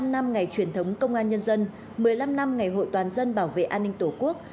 bảy mươi năm năm ngày truyền thống công an nhân dân một mươi năm năm ngày hội toàn dân bảo vệ an ninh tổ quốc